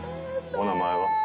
お名前は？